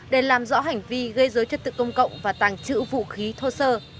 để làm rõ hành vi gây dối chất tự công cộng và tàng trữ vũ khí thô sơ